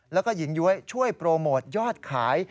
แล้วก็หญิงย้วยช่วยโปรโมทยอดขาย